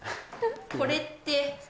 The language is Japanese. これって。